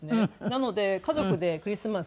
なので家族でクリスマス